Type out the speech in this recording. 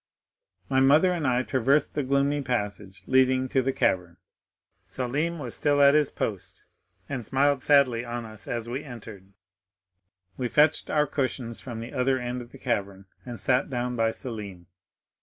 "My mother and I traversed the gloomy passage leading to the cavern. Selim was still at his post, and smiled sadly on us as we entered. We fetched our cushions from the other end of the cavern, and sat down by Selim.